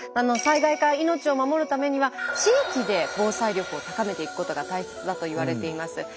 災害から命を守るためには地域で防災力を高めていくことが大切だと言われています。